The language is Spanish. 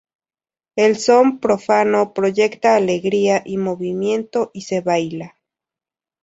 El son profano proyecta alegría y movimiento, y se baila.